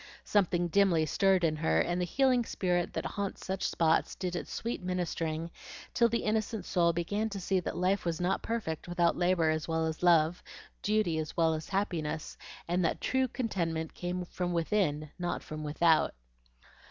Something dimly stirred in her, and the healing spirit that haunts such spots did its sweet ministering till the innocent soul began to see that life was not perfect without labor as well as love, duty as well as happiness, and that true contentment came from within, not from without.